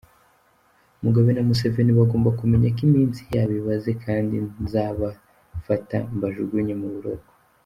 Mugabe na Museveni bagomba kumenya ko iminsi yabo ibaze kandi nzabafata mbajugunye mu buroko.